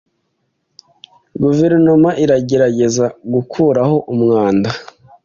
Guverinoma iragerageza gukuraho umwanda.